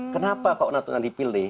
kenapa kok natuna dipilih